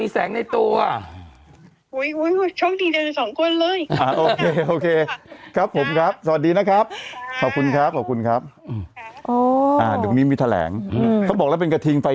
เขาจะคลอดลูกเขาจะอวยพรให้คลอดหน่อย